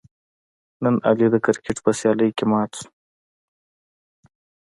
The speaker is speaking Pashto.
نن علي د کرکیټ په سیالۍ کې مات شو.